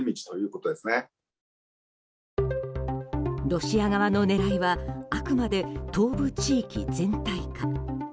ロシア側の狙いはあくまで東部地域全体か。